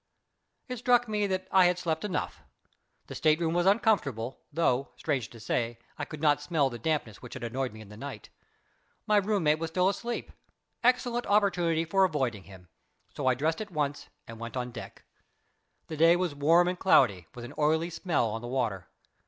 It struck me that I had slept enough. The state room was uncomfortable, though, strange to say, I could not smell the dampness which had annoyed me in the night. My room mate was still asleep excellent opportunity for avoiding him, so I dressed at once and went on deck. The day was warm and cloudy, with an oily smell on the water.